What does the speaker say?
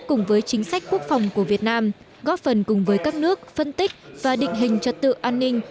cùng với chính sách quốc phòng của việt nam góp phần cùng với các nước phân tích và định hình trật tự an ninh